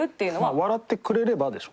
笑ってくれればでしょ？